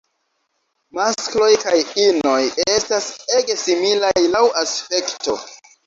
Maskloj kaj inoj estas ege similaj laŭ aspekto.